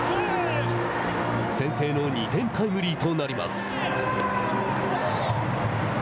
先制の２点タイムリーとなります。